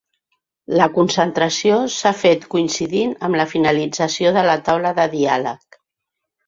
La concentració s’ha fet coincidint amb la finalització de la taula de diàleg.